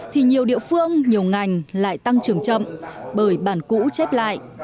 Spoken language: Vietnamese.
thì nhiều địa phương nhiều ngành lại tăng trưởng chậm bởi bản cũ chép lại